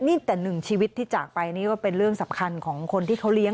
นี่แต่หนึ่งชีวิตที่จากไปนี่ก็เป็นเรื่องสำคัญของคนที่เขาเลี้ยง